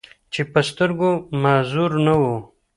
چې پۀ سترګو معذور نۀ وو،